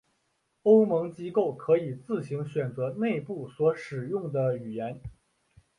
欧盟机构可以自行选择内部所使用的语言。